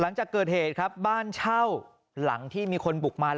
หันนี้ก็เชื่อว่าจะเป็นนักคุณศาสตร์เหมือนกันครับ